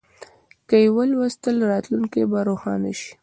که یې ولوستل، راتلونکی به روښانه شي.